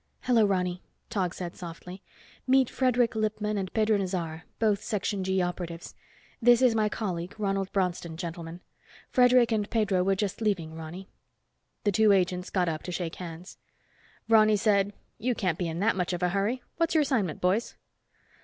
"Hello, Ronny," Tog said softly. "Meet Frederic Lippman and Pedro Nazaré, both Section G operatives. This is my colleague, Ronald Bronston, gentlemen. Fredric and Pedro were just leaving, Ronny." The two agents got up to shake hands. Ronny said, "You can't be in that much of a hurry. What's your assignment, boys?"